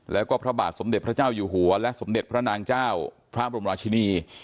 แล้วก็พระบาทสมเด็จพระเจ้าอยู่หัวและสมเด็จพระนางเจ้าพระบรมราชินี